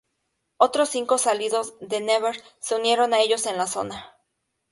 Otros cinco, salidos de Nevers, se unieron a ellos en la zona.